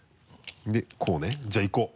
こうねじゃあいこう。